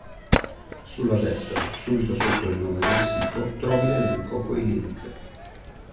Sulla destra, subito sotto il nome del sito, trovi l'elenco coi link.